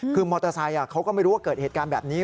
คือมอเตอร์ไซค์เขาก็ไม่รู้ว่าเกิดเหตุการณ์แบบนี้